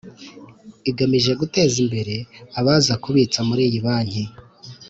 igamije guteza imbere abaza kubitsa muri iyi banki.